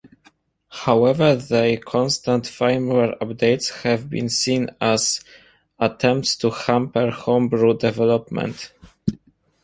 However their constant firmware updates have been seen as attempts to hamper homebrew development.